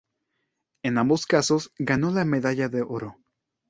En ambos casos ganó la medalla de oro.